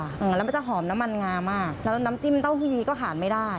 อืมแล้วมันจะหอมน้ำมันงามากแล้วน้ำจิ้มเต้าหู้ยีก็ขาดไม่ได้